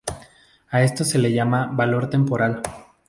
A esto se le llama Valor temporal.